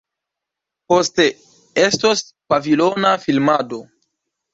Poste estos pavilona filmado.